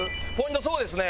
そうですね。